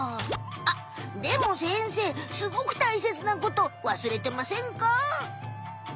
あっでも先生すごくたいせつなことわすれてませんか？